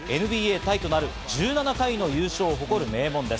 タイとなる１７回の優勝を誇る名門です。